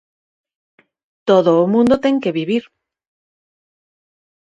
Todo o mundo ten que vivir.